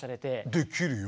「できるよ！」